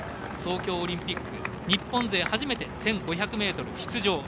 東京オリンピック日本勢初めて１５００ｍ出場。